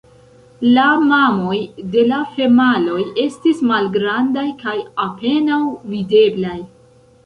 La mamoj de la femaloj estis malgrandaj kaj apenaŭ videblaj.